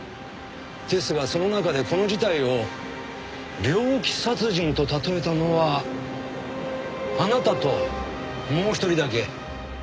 ですがその中でこの事態を猟奇殺人と例えたのはあなたともう一人だけ。